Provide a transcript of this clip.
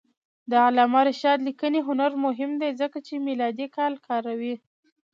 د علامه رشاد لیکنی هنر مهم دی ځکه چې میلادي کال کاروي.